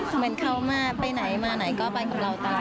เหมือนเขามาไปไหนมาไหนก็ไปกับเราตาม